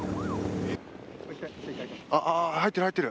入ってる、入ってる。